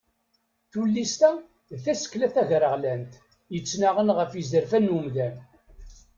Tullist-a d tasekla tagreɣlant yettnaɣen ɣef yizerfan n umdan.